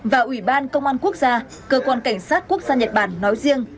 và ủy ban công an quốc gia cơ quan cảnh sát quốc gia nhật bản nói riêng